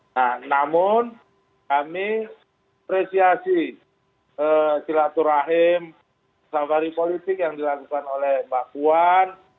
nah namun kami apresiasi silaturahim safari politik yang dilakukan oleh mbak puan